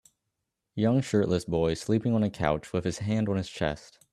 Young shirtless boy sleeping on a couch with his hand on his chest